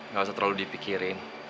gak usah terlalu dipikirin